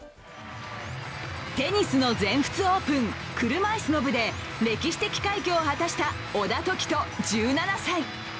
テニスの全仏オープン、車いすの部で歴史的快挙を果たした小田凱人１７歳。